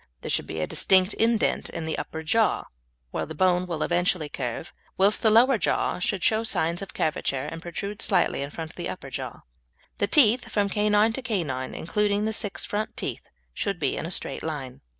There should be a distinct indent in the upper jaw, where the bone will eventually curve, whilst the lower jaw should show signs of curvature and protrude slightly in front of the upper jaw. The teeth from canine to canine, including the six front teeth, should be in a straight line.